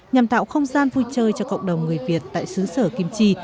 nhằm tạo không gian vui chơi cho cộng đồng người việt tại xứ sở kim chi